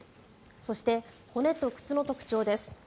そして、骨と靴の特徴です。